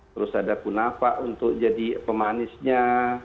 terus ada kunafa untuk jadi pemanisnya